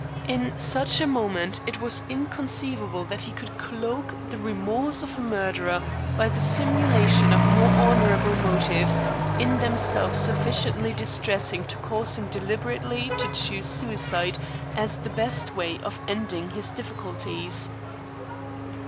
At such a moment it was inconceivable that he could cloak the remorse of a murderer by the simulation of more honorable motives, in themselves sufficiently distressing to cause him deliberately to choose suicide as the best way of ending his difficulties.